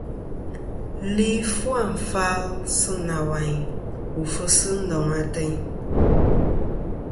Li fu àfal sɨ nawayn wu fɨsi ndoŋ ateyn.